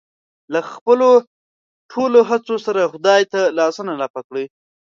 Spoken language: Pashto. له خپلو ټولو هڅو سره خدای ته لاسونه لپه کړي.